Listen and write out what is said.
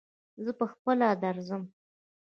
زه پهخپله درځم.